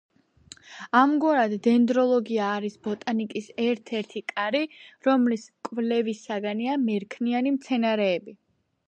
ამგვარად, დენდროლოგია არის ბოტანიკის ერთ-ერთი კარი, რომლის კვლევის საგანია მერქნიანი მცენარეები.